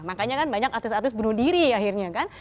makanya kan banyak artis artis bunuh diri akhirnya kan